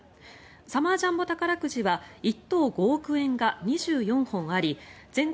サマージャンボ宝くじは１等５億円が２４本あり前後